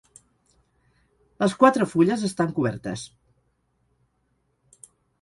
Les quatre fulles estan cobertes.